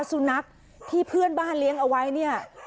สุนัขที่เพื่อนบ้านเลี้ยงเอาไว้เนี่ย